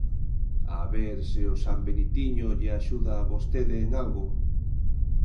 A ver se o San Benitiño lle axuda a vostede en algo.